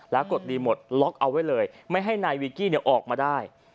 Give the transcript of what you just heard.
แล้วกดรีโมทล็อกเอาไว้เลยไม่ให้นายวีกี้ออกมาได้